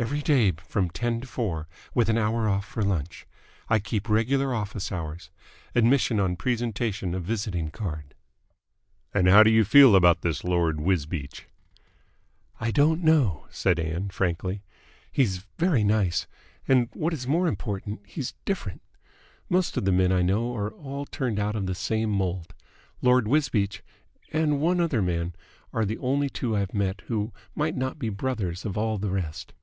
"Every day from ten to four, with an hour off for lunch. I keep regular office hours. Admission on presentation of visiting card." "And how do you feel about this Lord Wisbeach?" "I don't know," said Ann frankly. "He's very nice. And what is more important he's different. Most of the men I know are all turned out of the same mould. Lord Wisbeach and one other man are the only two I've met who might not be the brothers of all the rest."